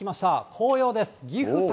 紅葉です。